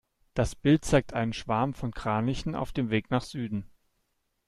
Das Bild zeigt einen Schwarm von Kranichen auf dem Weg nach Süden.